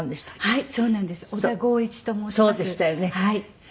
はい。